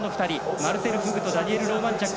マルセル・フグとダニエル・ローマンチャック